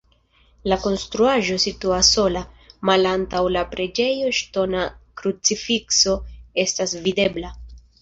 La konstruaĵo situas sola, malantaŭ la preĝejo ŝtona krucifikso estas videbla.